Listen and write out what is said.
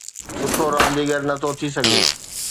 سٺو رانديگر نٿو ٿي سگهي،